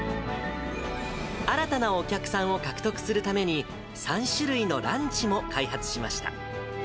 新たなお客さんを獲得するために、３種類のランチも開発しました。